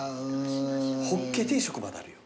ホッケ定食まであるよ。